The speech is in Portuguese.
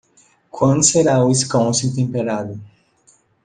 Quando será Wisconsin temperado?